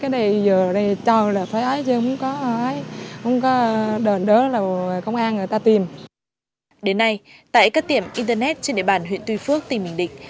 đến nay tại các tiệm internet trên địa bàn huyện tuy phước tỉnh bình định